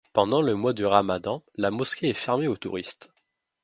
Pendant le mois du Ramadan, la mosquée est fermée aux touristes.